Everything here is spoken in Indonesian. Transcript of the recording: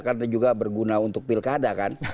karena juga berguna untuk pilkada kan